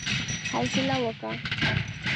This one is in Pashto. حوصله وکه!